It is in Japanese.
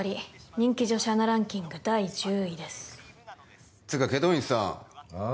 人気女子アナランキング第１０位ですつか祁答院さんあっ？